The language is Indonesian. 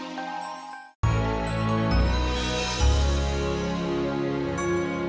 jangan lupa like share dan subscribe